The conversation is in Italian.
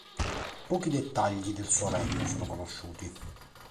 Pochi dettagli del suo regno sono conosciuti.